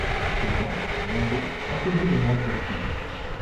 Et Jean, bientôt, en connut les moindres trous.